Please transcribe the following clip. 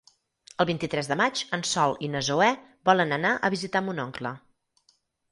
El vint-i-tres de maig en Sol i na Zoè volen anar a visitar mon oncle.